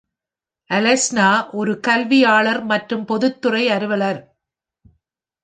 அலெஸ்னா ஒரு கல்வியாளர் மற்றும் பொதுத்துறை அலுவலர்.